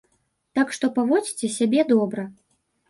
Так што, паводзьце сябе добра.